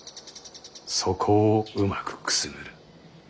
そこをうまくくすぐる。